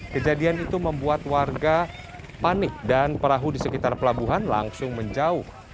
kejadian itu membuat warga panik dan perahu di sekitar pelabuhan langsung menjauh